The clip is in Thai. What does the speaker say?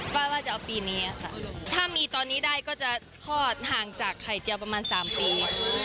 ว่าจะเอาปีนี้ค่ะถ้ามีตอนนี้ได้ก็จะคลอดห่างจากไข่เจียวประมาณ๓ปี